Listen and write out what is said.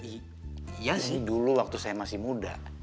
iya sih dulu waktu saya masih muda